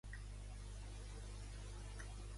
Què passa amb Puigdemont i Comín?